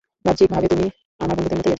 বাহ্যিক ভাবে তুমি আমার বন্ধুদের মতোই একজন।